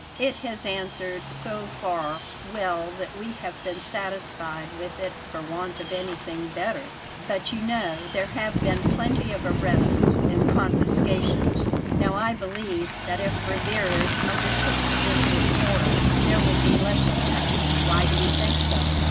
"It has answered so far well that we have been satisfied with it for want of anything better; but you know there have been plenty of arrests and confiscations. Now I believe that if Rivarez undertook the business for us, there would be less of that." "Why do you think so?"